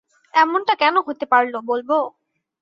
এমনটা কেন হতে পারল, বলব?